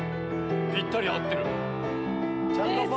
ぴったり合ってる！